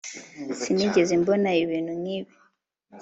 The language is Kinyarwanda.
Sinigeze mbona ibintu nkibi